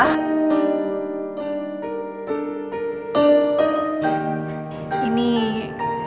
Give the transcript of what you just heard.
kau backlash mas